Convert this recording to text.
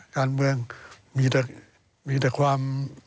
การเมืองมีแต่ความ